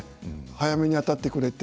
早めに当たってくれて。